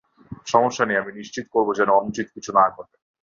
সমস্যা নেই, আমি নিশ্চিত করব যেন অনুচিত কিছু না ঘটে।